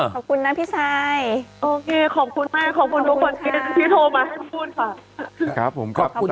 ขอบคุณนะพี่ซายโอเคขอบคุณมากขอบคุณทุกคนที่โทรมาให้พูดค่ะ